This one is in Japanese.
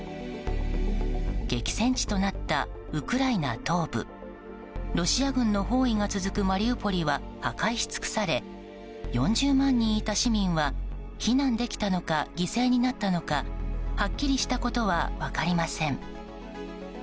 激戦地となったウクライナ東部ロシア軍の包囲が続くマリウポリは破壊し尽くされ４０万人いた市民は避難できたのか犠牲になったのかはっきりしたことは分かりません。